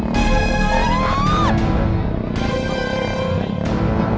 berarti nggak bebas yah